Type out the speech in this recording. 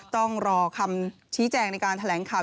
ต้องรอคำชี้แจงในการแถลงข่าว